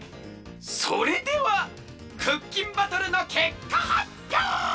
それではクッキンバトルのけっかはっぴょう！